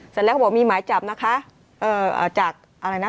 สัดละเขาบอกมีหมายจับนะคะเอ่อเออจากอะไรน่ะ